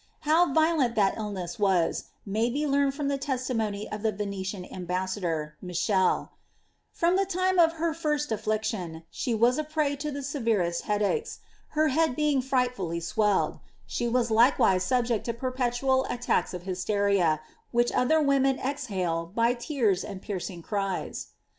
How violent dat illness was, maybe learned from the testimony of the Venetian ambasador, Micheie/ ^From the time of her first affliction,' she was a prey lo tbe severest headaches, her head being frightfully swelled ; she was likewiK subject to perpetual attacks of hysteria, which other women exhale bj tears and piercing cries.